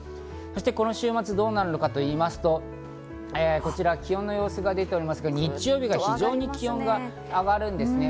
この週末どうなるのかと言いますと、こちら気温の様子が出ていますけど、日曜日が非常に気温が上がるんですね。